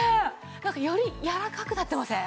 なんかよりやわらかくなってません？